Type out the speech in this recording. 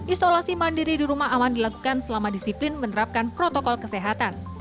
isolasi mandiri di rumah aman dilakukan selama disiplin menerapkan protokol kesehatan